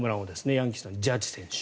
ヤンキースのジャッジ選手。